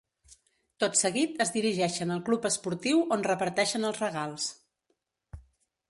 Tot seguit es dirigeixen al Club esportiu on reparteixen els regals.